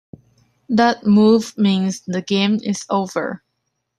That move means the game is over.